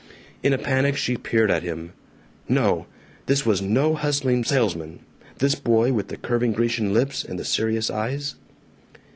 In a panic she peered at him. No! This was no hustling salesman, this boy with the curving Grecian lips and the serious eyes.